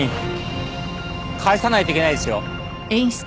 返さないといけないですよ。